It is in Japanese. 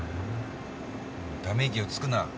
ため息をつくな。